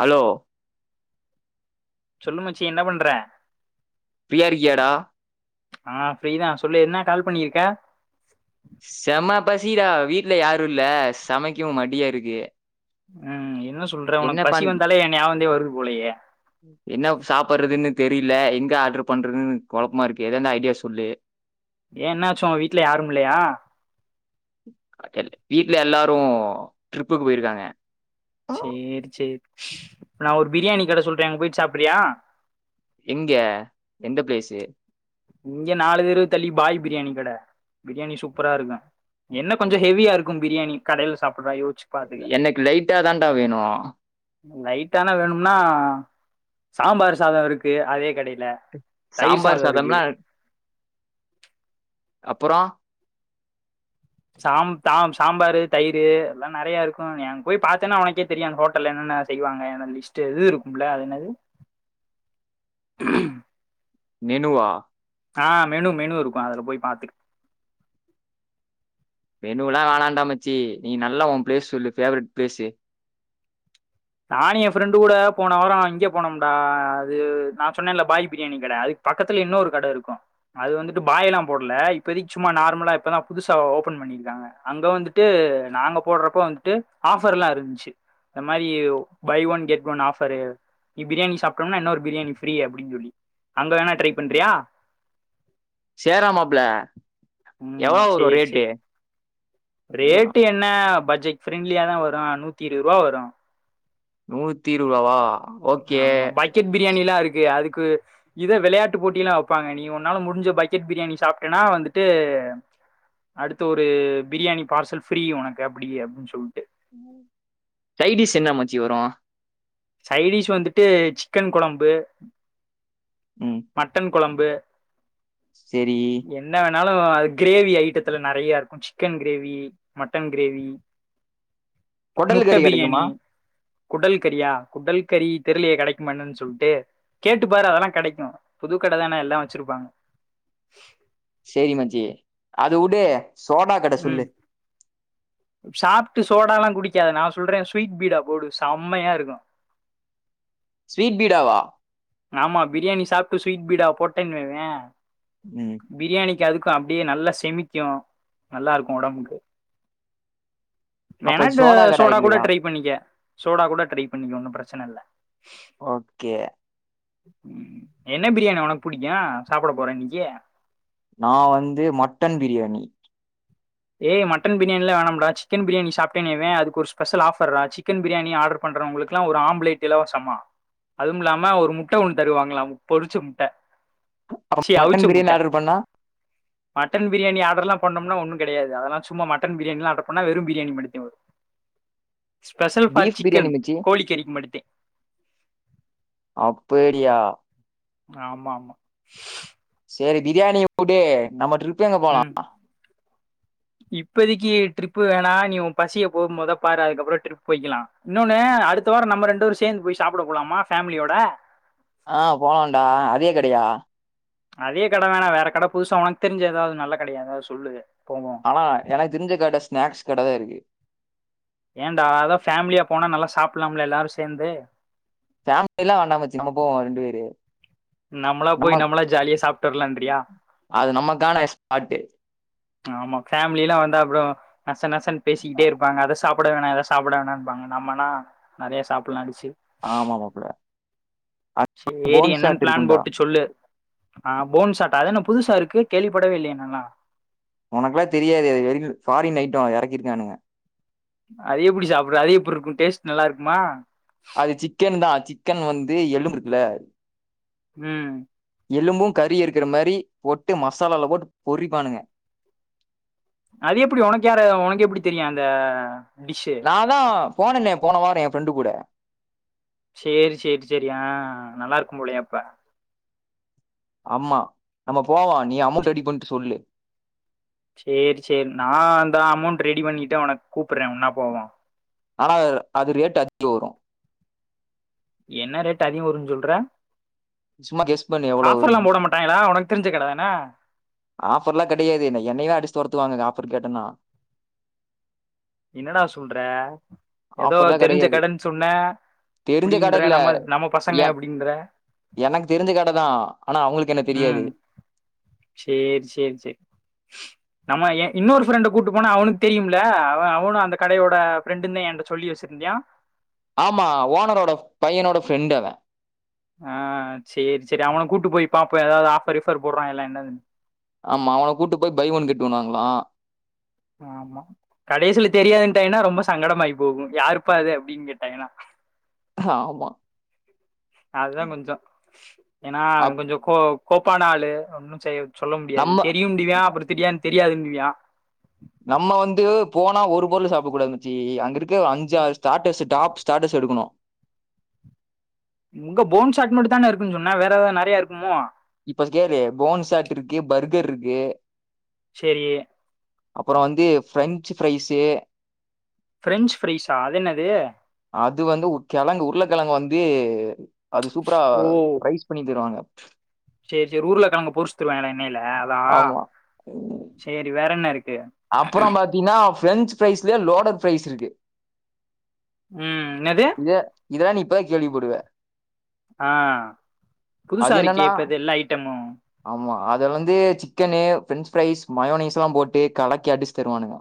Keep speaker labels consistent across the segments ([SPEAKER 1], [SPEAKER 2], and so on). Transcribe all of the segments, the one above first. [SPEAKER 1] Hello
[SPEAKER 2] சொல்லுமச்சி என்ன பண்ற
[SPEAKER 1] ஃப்ரீயா இருக்கியாடா
[SPEAKER 2] ஆ ஃப்ரீதா சொல்லு என்ன கால் பண்ணியிருக்க
[SPEAKER 1] செம்மா பசி டா வீட்டுல யாரு இல்ல சமைக்கவு மட்டியா இருக்கு
[SPEAKER 2] ம் என்ன சொல்ற
[SPEAKER 1] என்ன
[SPEAKER 2] உனக்கு பசி
[SPEAKER 1] பண்
[SPEAKER 2] வந்தாலே என் ஞாபகந்தே வருது போலையே
[SPEAKER 1] என்ன சாப்புடுறதுன்னு தெரியல எங்க ஆர்டரு பண்றதுன்னு குழப்பமா இருக்கு ஏதந்த ஐடியா சொல்லு
[SPEAKER 2] ஏன் என்னாச்சும் உங்க வீட்ல யாரும் இல்லயா
[SPEAKER 1] வீட்ல எல்லாரும் ட்ரிப்பு போயிருக்காங்க
[SPEAKER 2] செரி செரி நான் ஒரு பிரியாணி கடை சொல்றேன் அங்க போயி சாப்புறியா
[SPEAKER 1] எங்க எந்த பிளேஸு
[SPEAKER 2] இங்க நாலு தெரு தள்ளி பாய் பிரியாணி கட பிரியாணி சூப்பரா இருக்கு என்ன கொஞ்சோ ஹவியா இருக்கு பிரியாணி கடையில சாப்புடுறா யோச்சு
[SPEAKER 1] எனக்கு லைட்டா தான்டா வேணு
[SPEAKER 2] லைட்டானா வேணும்னா சாம்பார் சாதம் இருக்கு அதே கடையில தயிர்
[SPEAKER 1] சாம்பார்
[SPEAKER 2] சாதம் இருக்கு
[SPEAKER 1] சாதம்லா அப்பறோ
[SPEAKER 2] சாம் தாம் சாம்பாரு தயிர் எல்லா நிறைய இருக்கும் நீ அங்க போய் பாத்தேன்னா உனக்கே தெரியு அந்த ஹோட்டல்ல என்னன்ன செய்வாங்க என்ன லிஸ்ட்டு இதுவு இருக்கும்ல அது என்னாது
[SPEAKER 1] மெனுவா
[SPEAKER 2] ஆ மெனு மெனு இருக்கு அதுல போய் பாத்துக்க
[SPEAKER 1] மெணும்லல்லாம் வேனாண்டா மச்சி நீ நல்ல உன் பிளேஸ் சொல்லு ஃபேவரட் பிளேஸ்சு
[SPEAKER 2] நானும் என் ஃப்ரெண்டு கூட போன வாரம் இங்கே போனமுடா அது நான் சொன்னேன்ல பாய் பிரியாணி கடை அதுக்கு பக்கத்துல இன்னொரு கட இருக்கும் அது வந்துட்டு பாய்ல்லாம் போடுல இப்பதக்கு சும்மா நார்மலா இப்பதா புதுசா ஓபன் பண்ணிருக்காங்க அங்க வந்துட்டு நாங்க போடுறப்போ வந்துட்டு ஆஃபர்ல்லாம் இருந்துச்சு இந்த மாரி buy one get one offer இங்க பிரியாணி சாப்பிட்டம்னா இன்னொரு பிரியாணி ஃப்ரீ அப்டின்னு சொல்லி அங்க வேணா ட்ரை பண்றியா
[SPEAKER 1] சேரா மாப்ள
[SPEAKER 2] உம்
[SPEAKER 1] எவ்வளோ வரும்
[SPEAKER 2] சேரி
[SPEAKER 1] ரேட்டு
[SPEAKER 2] சேரி ரேட்டு என் என்ன ப்ஜெட் ஃரண்ட்லியா தான் வரும் நூத்தி இருபது ரூபா வரும்
[SPEAKER 1] நூத்தி இருவது ரூபவா
[SPEAKER 2] ஆமா பக்கெட் பிரியாணி எல்லாம் இருக்கு அதுக்கு இது வெளையாட்டுப் போட்டியல்லாம் வைப்பாங்க நீ ஒன்னால முடிஞ்ச பக்கெட் பிரியாணி சாப்ட்டேனா வந்துட்டு அடுத்து ஒரு பிரியாணி பார்சல் ஃப்ரீ உனக்கு அப்டி அப்டின்னு சொல்லிட்டு
[SPEAKER 1] சைடிஸ் என்ன மச்சி வரும்
[SPEAKER 2] சைடிஷ் வந்துட்டு சிக்கன் கொழம்பு
[SPEAKER 1] உம்
[SPEAKER 2] மட்டன் கொழம்பு
[SPEAKER 1] சேரி
[SPEAKER 2] என்ன வேணாலும் அது கிரேவி ஐட்டத்துல நெறைய இருக்கும் சிக்கன் கிரேவி மட்டன் கிரேவி
[SPEAKER 1] குடல் கறி
[SPEAKER 2] முட்டைன பிரியாணி
[SPEAKER 1] கிடைக்குமா
[SPEAKER 2] குடல் கரியா குடல்கறி தெரியலயை கெடைக்குமா என்னனு சொல்ட்டு கேட்டு பாரு அதெல்லாம் கெடைக்கும் புதுக்கடை தான எல்லாம் வச்சுருப்பாங்க
[SPEAKER 1] சேரி மச்சி அது விடு சோடா கட
[SPEAKER 2] ம்
[SPEAKER 1] சொல்லு
[SPEAKER 2] சாப்ட்டு சோடாலா குடிக்காத நா சொல்றே ஸ்வீட் பீடா போடு செம்மையா இருக்கும்
[SPEAKER 1] ஸ்வீட் பீடாவா
[SPEAKER 2] ஆமா பிரியாணி சாப்ட்டு ஸ்வீட் பீடா போட்டேன்னுவே
[SPEAKER 1] உம்
[SPEAKER 2] பிரியாணிக்கு அதுக்கு அப்டியே நல்லா செமிக்கும் நல்லா இருக்கும் உடம்புக்கு
[SPEAKER 1] அப்போ
[SPEAKER 2] வேணா
[SPEAKER 1] கடை
[SPEAKER 2] சோடா கூட
[SPEAKER 1] இல்லையா
[SPEAKER 2] ட்ரை பண்ணிக்க சோடா கூட ட்ரை பண்ணிக்க ஒன்னு பிரச்சன இல்ல
[SPEAKER 1] ஓகே
[SPEAKER 2] உம் என்ன பிரியாணி புடிக்கு சாப்ட போற இன்னைக்கு
[SPEAKER 1] நா வந்து மட்டன் பிரியாணி
[SPEAKER 2] ஏய் மட்டன் பிரியணியிலாம் வேணாம்டா சிக்கன் பிரியாணி சாப்டேன்வே அது ஒரு ஸ்பெஷல் ஆஃபர்ரா சிக்கன் பிரியாணி ஆர்டர் பண்றவங்களுக்கு எல்லாம் ஒரு ஆம்லேட் இலவசமா பண் அதுவும் இல்லாம ஒரு முட்ட ஒண்ணு தருவாங்களாம் பொறிச்ச முட்ட சி அவுச்ச
[SPEAKER 1] மட்டன் பிரியாணி
[SPEAKER 2] முட்ட
[SPEAKER 1] ஆர்டர் பண்ணா
[SPEAKER 2] மட்டன் பிரியாணி ஆர்டர் எல்லாம் பண்ணோம்னா ஒன்னு கெடையாது அதெல்லா சும்மா மட்டன் பிரியணினா வெரும்பிரியாணி மட்டும் தா வரும் special for
[SPEAKER 1] beef biryani
[SPEAKER 2] chicken
[SPEAKER 1] மச்சி
[SPEAKER 2] கோழிக்கறிக்கு மட்டுத்தா
[SPEAKER 1] அப் பேடியா
[SPEAKER 2] ஆமா ஆமா
[SPEAKER 1] சேரி பிரியாணிய வுடு நம்ம ட்ரிப் லா எப்
[SPEAKER 2] [inaudible] இப்பதிக்கி ட்ரிப்பு வேணா நீ பசிய போ மொத பாரு அதுக்கப்புற ட்ரிப் போயிக்கிலா இன்னொன்னு அடுத்த வார நம்ம ரெண்டு பேரு சேந்து போய் சாப்புட போலாமா ஃபேமுலியோட
[SPEAKER 1] ஆ போலான்டா அதே கடயா
[SPEAKER 2] அதே கட வேணா வேற கட புதுசா ஒனக் தெரிஞ்சி எதாவ்து நல்ல கடயாந்தா சொல்லு போவோ
[SPEAKER 1] ஆ எனக் தெஞ்ச கட ஸ்நெஸ் கட தா இருக்கு
[SPEAKER 2] ஏன்டா அதா ஃபேம்லியா போனா நல்லா சாப்புல்லாம்ல எல்லாரு சேந்து
[SPEAKER 1] ஃபேம்யிலா வேண்டாமச்சி நம்ப போவோ ரெண்டு பேரு
[SPEAKER 2] நம்மளா போய்
[SPEAKER 1] நம்ம
[SPEAKER 2] நம்மளா ஜாலியா சாப்ட்டு வர்லான்றியா
[SPEAKER 1] அது நம்மக்கானா ஸ்பாட்டு
[SPEAKER 2] ஆமா ஃபேம்லி எல்லா வந்து அப்றோ நச நசன் பேசிக்கிட்டே இருப்பாங்க அத சாப் கூட வேணா ஏதா சாப்புட வேணாம்ப்பாங்க நம்மனா நயற சாப்புல்லா டிஷ்ஷு
[SPEAKER 1] ஆமா மாப்புள்ள [inaudible] போன்ஷாட் இருக்
[SPEAKER 2] ஆன் போட்டு சொல்லு அ போன் ஷாட் அது என்ன புதுசா இருக்கு கேள்விப்படவே இல்யே நால்லா
[SPEAKER 1] ஒனக்குல்லா தெரியாது எது வெறிக்கு ஃபாரின் ஐட்டோ எறக்கிருக்கானுங்க
[SPEAKER 2] அது எப்புடி சாப்புட அது எப்புர்ருக்கு டேஸ்ட் நல்லாருக்குமா
[SPEAKER 1] அது சிக்கென் தா சிக்கன் வந்து எலும்புருக்குல
[SPEAKER 2] ம்
[SPEAKER 1] எலும்பு கறி இருக்குற மாரி போட்டு மசாலால போட்டு பொரிப்பானுங்க
[SPEAKER 2] அது எப்புடி ஒனக்கு யாரு ஒனக்கு எப்புடி தெரியு அந்த டிஷ்ஷு
[SPEAKER 1] அதா ஃபோனன்னே போன வார ஏ ஃப்ரெண்டு கூட
[SPEAKER 2] சேரி சேரி சேரி அ நல்லாருக்கும் போலயே அப்ப
[SPEAKER 1] அம்மா நம்ப போவா நீ அமௌண்ட் ரெடி பண்ட்டு சொல்லு
[SPEAKER 2] சேரி சேரி நா அந்தா அமௌண்ட் ரெடி பண்ணிட்டு ஒனக் கூப்புட்றே ஒன்னா போவா
[SPEAKER 1] ஆனா அது ரேட் அதிக வரு
[SPEAKER 2] என்ன ரேட் அதிக வருன் சொல்ற
[SPEAKER 1] சும்மா கெஸ் பண்ணு எவ்ளோ
[SPEAKER 2] ஆஃப்பர்ல்லா
[SPEAKER 1] வருன்னு
[SPEAKER 2] போட மாட் டாய்ங்ளா ஒனக் தெரிஞ்ச கட தான
[SPEAKER 1] ஆஃப்பர்ல்லா கடையாது என்ன என்னயவே அடுச்சு தொரத்துவாங்க அங்க ஆஃபபர் கேட்டன்னா
[SPEAKER 2] இன்னடா சுல்ற எதோ
[SPEAKER 1] ஆஃபர்லா
[SPEAKER 2] தெரிஞ்ச
[SPEAKER 1] கெடையாது
[SPEAKER 2] கடன் சொன்ன
[SPEAKER 1] தெரிஞ்ச கட
[SPEAKER 2] இப்புடின்ற
[SPEAKER 1] இல்ல
[SPEAKER 2] நம்ம நம்ம
[SPEAKER 1] எ
[SPEAKER 2] பசங்க அப்டிங்ற
[SPEAKER 1] எனக்கு தெருஞ்ச கட தா ஆனா அவுங்ளுக் என்ன தெரியாது
[SPEAKER 2] சேர் சேர் சே நம்ம ஏ இன்னொரு ஃப்ரெண்ட கூட்டு போன அவனுக் தெரியும்ல அவ அவுனு அந்த கடையோட ஃப்ரெண்டுன்தா என்ட்ட சொல்லி வச் சிருந்யா
[SPEAKER 1] ஆமா ஓனரோட பையனோட ஃப்ரெண்டு அவே
[SPEAKER 2] அ சேர் சேரி அவன கூட்டு போய் பாப்போ எதாவ்து ஆஃப்பர் ஈஃப்பர் போட்றாய்ங்களா என்னதுன்
[SPEAKER 1] ஆமா அவன கூட்டு போய் ஃபை ஒன் கெட் ஒன் வாங்ளா
[SPEAKER 2] ஆமா கடைசில தெரியாதுன்ட்டாய்ன்னா ரொம்ப சங்கடமாயி போகு யாருப்பா அது அப்டின் கேட்டாங்கனா
[SPEAKER 1] ஆமா
[SPEAKER 2] அதுதா கொஞ்சோ ஏன்னா
[SPEAKER 1] அப்
[SPEAKER 2] கொஞ்ச கோ கோப்பான ஆளு ஒன்னு செய்யது சொல்ல முடியாது
[SPEAKER 1] நம்ம
[SPEAKER 2] தெரியம்டுவியா அப்பற திடியான்னு தெரியாதுன்னுவியா
[SPEAKER 1] நம்ம வந்து போனா ஒரு பொருள் சாப்டக்க கூடாது மச்சி அங்கிருக்க ஒரு அஞ்சுறு ஸ்டார்டர்ஸ் எட் டாப் ஸ்டாட்டஸ் எடுக்குணு
[SPEAKER 2] உங்க போன்ஷாட் மட்டு தான இருக்குன் சொன்ன வேற எதாது நறைய இருக்குமோ
[SPEAKER 1] இப்பஸ் கேளு போன்சாட் இருக்கு பர்கர்ருக்கு
[SPEAKER 2] செரி
[SPEAKER 1] அப்புறோ வந்து பிரஃரெஞ்சு ஃரைஸு
[SPEAKER 2] பிரஃரெஞ்சு ஃப்ரைஸா அது என்னது
[SPEAKER 1] அது வந்து கிழங்கு உருளைக்கிழங்கு வந்து அது சூப்பரா ஃப்ரைஸ் பண்ணி தருவாங்க
[SPEAKER 2] செரி செரி உர்ல கிழங்க பொரிச்சு தருவாங்க எண்ணெய்ல அதா
[SPEAKER 1] ஆமா.
[SPEAKER 2] செரி வேற என்ன இருக்கு
[SPEAKER 1] அப்புறோ பாத்தீங்கன்னா ஃபிரெஞ்சு ஃபிரரைஸ்லய லோடர் ஃபிரரைஸ் இருக்கு
[SPEAKER 2] ம் எனது
[SPEAKER 1] இத இதல்லா நீ இப்பதா கேள்வி படுவ
[SPEAKER 2] ஆ புதுசா
[SPEAKER 1] அது
[SPEAKER 2] இருக்கே
[SPEAKER 1] என்னன்னா
[SPEAKER 2] இப்ப எல்லா ஐட்டமும்
[SPEAKER 1] ஆமா அத வந்து சிக்கனு பிரஃரெஞ்சு ஃரைஸ் மயோனிஸ் எல்லா போட்டு கலக்கி அடிச்சு தருவானுங்க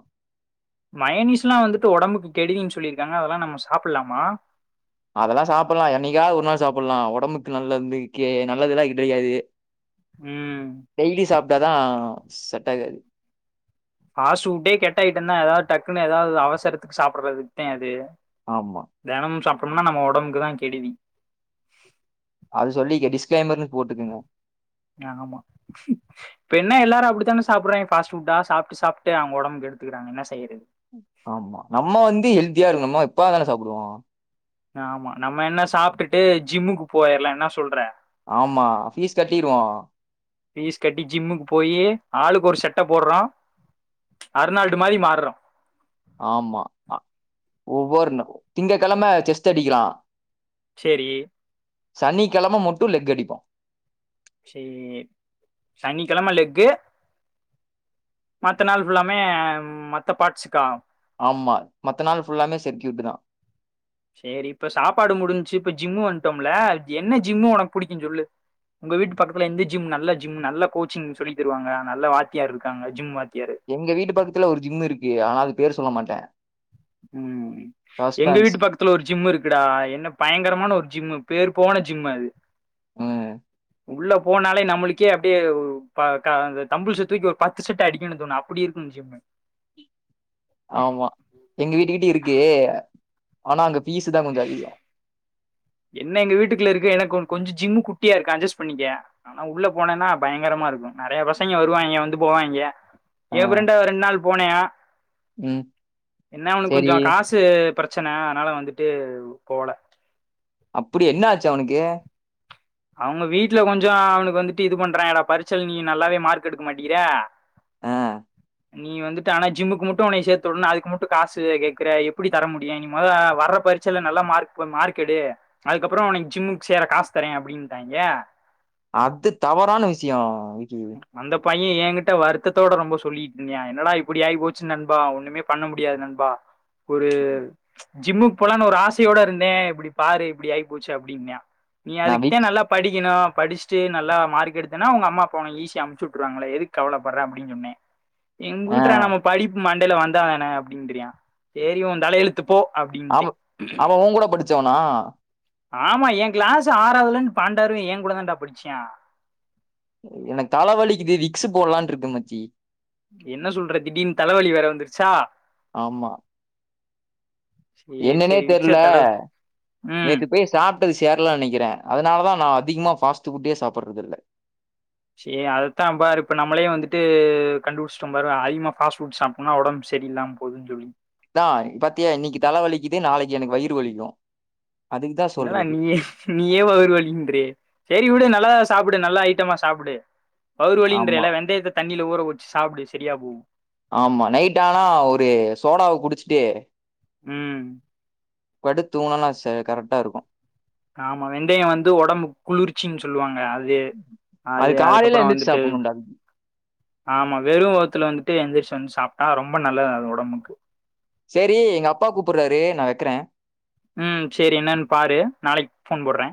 [SPEAKER 2] மயனீஸ் எல்லா வந்துட்டு உடம்புக்கு கெடுதன்னு சொல்லியிருக்காங்க அதெல்லா நம்ம சாப்பிடலாமா
[SPEAKER 1] அதெல்லா சாப்பிடலா என்னைக்காவ ஒரு நாள் சாப்பிடலா உடம்புக்கு நல்லதுக்கே நல்லதுயெல்லா கிடயாது
[SPEAKER 2] ம்
[SPEAKER 1] டெய்லி சாப்பிட்டாதா செட் ஆகாது
[SPEAKER 2] ஃபாஸ்டு ஃபுட்டே கெட்ட ஐட்டம் தா ஏதாவது டக்குன்னு ஏதாவது அவசரத்துக்கு சாப்பிடுறதுக்கு தா அது
[SPEAKER 1] ஆமா
[SPEAKER 2] தெனமு சாப்பிட்டோம்னா நம்ம உடம்புக்கு தா கெடுதி
[SPEAKER 1] அது சொல்லிக்க டிஸ்க்ளெய்மர்ன்னனு போட்டுக்கங்க
[SPEAKER 2] ஆமா இப்ப என்ன எல்லாரு அப்டித்தானே சாப்பிடுறாங்கே ஃபாஸ்ட் ஃபுட்டு ஆ சாப்ட்டு சாப்ட்டு அவுங்க உடம்பு கெடுத்துக்ககறாங்க என்ன செய்றது
[SPEAKER 1] ஆமா நம்ம வந்து ஹெல்தியா இருக்கோம் நம்ம எப்பவாது தானே சாப்பிடுவோ
[SPEAKER 2] ஆமா நம்ம என்ன சாப்ட்டுட்டு ஜிம்முக்கு போயிடலா என்ன சொல்ற
[SPEAKER 1] ஆமா ஃபீஸ் கட்டிறுவோ
[SPEAKER 2] ஃபீஸ் கட்டி ஜிம்முக்கு போயி ஆளுக்கு ஒரு சட்ட போடுறோ அர்நால்டு மாதிரி மாறுறோ
[SPEAKER 1] ஆமா ஒவ்வொரு நா திங்கக்கிழமை செஸ் அடிக்கலா
[SPEAKER 2] செரி
[SPEAKER 1] சனிக்கிழமை மட்டு லெக் அடிப்போ
[SPEAKER 2] செரி சனிக்கிழம லெக்கு மத்த நாள் ஃபுல்லாமே மத்த பார்ட்ஸுக்கா
[SPEAKER 1] ஆமா மத்த நாள் ஃபுல்லாமே செட் கிளிக் தா
[SPEAKER 2] செரி இப்ப சாப்பாடு முடிஞ்ச்சு இப்ப ஜிம் வந்துட்டோம்ல என்ன ஜிம்மு உனக்கு புடிக்கும்ன்னு சொல்லு உங்க வீட்டு பக்கத்துல எந்த ஜிம் நல்ல ஜிம் நல்ல கோச்சிங் சொல்லி தருவாங்க நல்ல வாத்தியார் இருக்காங்க ஜிம் வாத்தியாரு
[SPEAKER 1] எங்க வீட்டு பக்கத்துல ஒரு ஜிம்மு இருக்கு ஆனா அது பேர் சொல்ல மாட்டே
[SPEAKER 2] ம் எங்க
[SPEAKER 1] சஸ்பென்ஸ்
[SPEAKER 2] வீட்டு பக் கத்துல ஒரு ஜிம்மு இருக்குடா என்ன பயங்கரமான ஒரு ஜிம்மு பேர் போன ஜிம்மு அது
[SPEAKER 1] ம்
[SPEAKER 2] உள்ள போனாலே நம்மளுக்கே அப்டியே ஒரு த த தம்பள்ச தூக்கி ஒரு பத்து செட் அடிக்கணு தோணு அப்டி இருக்கு ஜிம்மு
[SPEAKER 1] ஆமா எங்க வீட்டுக்கிட்ட இருக்கு ஆனா அங்க ஃபீஸ தா கொஞ்சோ அதிகோ
[SPEAKER 2] என்ன எங்க வீட்டுக்குல இருக்கு எனக்கு கொஞ்சோ ஜிம்மு குட்டியா இருக்கும் அட்ஜஸ்ட் பண்ணிக்க ஆனா உள்ள போனேன்னா பயங்கரமா இருக்கு நெறையா பசங்க வருவாங்க வந்து போவாங்கே
[SPEAKER 1] ஆ.
[SPEAKER 2] ஏ ஃப்ரெண்ட்டு ஒரு ரெண்டு நாள் போனா
[SPEAKER 1] ம்.
[SPEAKER 2] என்ன அவனுக்கு
[SPEAKER 1] சரி.
[SPEAKER 2] கொஞ்சோ காசு த்து பிரச்சன அதனால வந்துட்டு போல
[SPEAKER 1] அப்டி என்ன ஆச்சு அவனுக்கு
[SPEAKER 2] அவுங்க வீட்ல கொஞ்சோ அவனுக்கு வந்துட்டு இது பண்றாங்கடா பரிட்சைல நீ நல்லாவே மார்க் எடுக்க மாட்டேங்கிற
[SPEAKER 1] ஆ
[SPEAKER 2] நீ வந்துட்டு ஆனா ஜிம்முக்கு முட்டு உன்ன சேத்துட்னு அதுக்கு முட்டு காசு வேற கேக்கற எப்டி தர முடியு நீ மொதோ வர்ற பரி ட்சைல்ல நல்ல மார்க் மார்க் எடு அதுக்கப்பறோ உனக் ஜிம்முக் சேர காஸ் தரே அப்டினுட்டாய்ங்க
[SPEAKER 1] அது தவறான விஷயோ [unintelligible]
[SPEAKER 2] அந்த பைய எங்கிட்ட வருத்ததோட ரொம்ப சொல்லிட்ருந்தியா என்னடா இப்டி ஆயி போச்சு நண்பா ஒன்னுமே பண்ண முடியாது நண்பா ஒரு ஜிம்முக் போலான் ஒரு ஆசயோட இருந்தே இப்டி பாரு இப்டி ஆயி போச்சு அப்டின்னா நீ
[SPEAKER 1] நான்
[SPEAKER 2] அதுக்த்தா
[SPEAKER 1] விக்ஸ்
[SPEAKER 2] நல்லா படிக்கணு படிச்ட்டு நல்லா மார்க் எடுத்தேனா உங்க அம்மா ப்ப உனக் ஈசியா அனுப்ச்சுட்டுவாங்களே எதுக் கவலப்பட்ற அப்டின் சொன்னே
[SPEAKER 1] ஆ.
[SPEAKER 2] எங்குட்றா நமக் படிப் மண்டேல வந்தாதானே அப்டின்றியா சேரி ஒ தலையெழுத்து போ
[SPEAKER 1] அவ
[SPEAKER 2] அப்டின்ட்டே
[SPEAKER 1] அவ உங்கூட படிச்சவனா
[SPEAKER 2] ஆமா எ கிளாஸ் ஆறாவதுலிர்ந் பாண்டாரு எங்கூட தான்டா படிச்சா
[SPEAKER 1] எனக் தலவளிக்குது விக்ஸ்சு போட்லான் இருக்க மச்சி
[SPEAKER 2] என்ன சொல்ற திடீர்ன் தலவலி வேற வந்துருச்சா சேரி
[SPEAKER 1] என்னனே
[SPEAKER 2] சேரி விக்ஸ
[SPEAKER 1] தெர்ல
[SPEAKER 2] தடவு ம்
[SPEAKER 1] நேத்து பேஸ் சாப்ட்டது சேர்லன் நெனைக்கிறே அதனால தா நா அதிகமா பாஸ்ட் ஃபுட்டே சாப்பட்றதில்ல
[SPEAKER 2] சே அதத்தா பாரு இப்ப நம்ளே வந்துட்டு கண்டுபிடிச்சுட்டோ பாரு அதிகமா பாஸ்ட் ஃபுட் சாப்ட்னா ஒடம்பு செரியில்லாம பொய்யு சொல்லி
[SPEAKER 1] இதா பாத்தியா இன்னிக்கு தல வலிக்குது நாளைக்கு எனக்கு வயிறு வலிக்கு
[SPEAKER 2] என்னடா நீயே நீயே வவுறு வலிகுன்றியே சேரி வுடு நல்லாத சாப்புடு நல்ல ஐட்டமா சாப்புடு
[SPEAKER 1] ஆமா.
[SPEAKER 2] வவுறுவலின்றெலே வெந்தயத்த தண்ணில ஊற வெச்சு சாப்புடு செரியா போகு
[SPEAKER 1] ஆமா நைட் ஆனா ஒரு சோடாவ குடிச்சிட்டு
[SPEAKER 2] உம்
[SPEAKER 1] படுத்தூங்னனா செய்றக் கரெக்டா இருக்கு
[SPEAKER 2] ஆமா வெந்தய வந்து ஒடம்புக் குளிர்ச்சின் சொல்லுவாங்க அது அது
[SPEAKER 1] காலையில
[SPEAKER 2] அதுக்கப்புறோ
[SPEAKER 1] எந்திரிச்சு
[SPEAKER 2] வந்துட்டு
[SPEAKER 1] சாப்பிடணும்டா.
[SPEAKER 2] ஆமா வெரு வவுத்துல வந்துட்டு எந்திரிச்சு வந்து சாப்ட்டா ரொம்ப நல்லது அது ஒடம்புக்கு
[SPEAKER 1] சேரி எங்க அப்பா கூப்புர்றாரு நா வெக்கறே
[SPEAKER 2] ம் சேரி என்னன் பாரு நாளைக் ஃபோன் போட்றே